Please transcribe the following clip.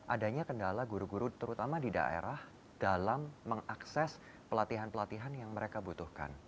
adanya kendala guru guru terutama di daerah dalam mengakses pelatihan pelatihan yang mereka butuhkan